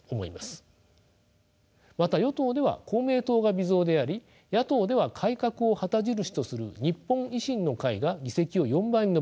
また与党では公明党が微増であり野党では改革を旗印とする日本維新の会が議席を４倍に伸ばしました。